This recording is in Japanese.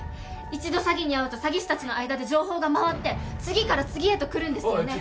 一度詐欺に遭うと詐欺師達の間で情報が回って次から次へと来るんですよね